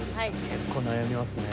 結構悩みますね。